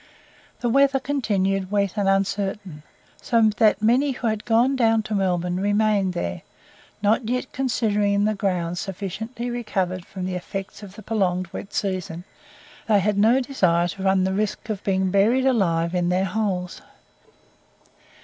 The weather continued wet and uncertain, so that many who had gone down to Melbourne remained there, not yet considering the ground sufficiently recovered from the effects of the prolonged wet season, they had no desire to run the risk of being buried alive in their holes.